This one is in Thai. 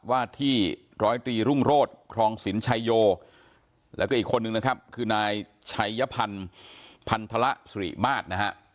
วาดที่ร้อยตรีรุ่งโรธครองสินชัยโยแล้วก็อีกคนนึงนะครับคือนายชัยพันธ์พันธระสุริมาตรนะฮะ